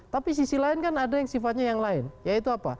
tapi sisi lain kan ada yang sifatnya yang lain yaitu apa